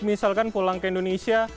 misalkan pulang ke indonesia